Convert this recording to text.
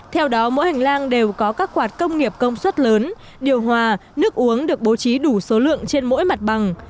theo đó mỗi hành lang đều có các quạt công nghiệp công suất lớn điều hòa nước uống được bố trí đủ số lượng trên mỗi mặt bằng